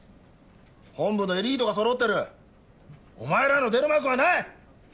本部のエリートがそろってるお前らの出る幕はない！